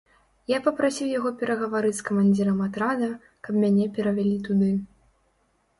Я папрасіў яго перагаварыць з камандзірам атрада, каб мяне перавялі туды.